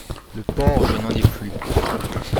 Le porc! je n’en ai plus.